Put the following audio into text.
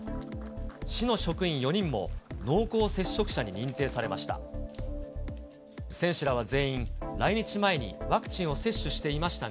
市の職員４人も濃厚接触者に認定されました。